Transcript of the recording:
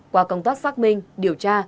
qua công tác xác minh điều tra